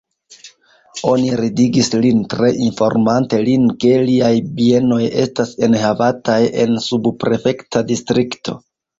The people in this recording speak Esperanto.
Oni ridigis lin tre, informante lin, ke liaj bienoj estas enhavataj en subprefekta distrikto.